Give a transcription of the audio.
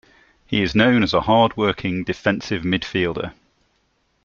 He is known as a hard working, defensive midfielder.